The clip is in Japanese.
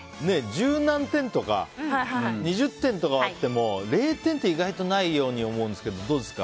十何点とか２０点とかはあっても０点って意外とないように思うんですけどどうですか？